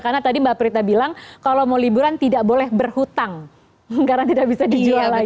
karena tadi mbak prita bilang kalau mau liburan tidak boleh berhutang karena tidak bisa dijual lagi